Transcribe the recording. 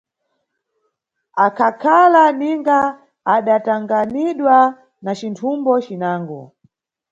Akhakhala ninga adatanganidwa na cinthumbo cinango.